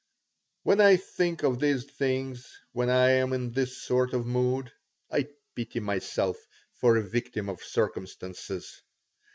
When I think of these things, when I am in this sort of mood, I pity myself for a victim of circumstances.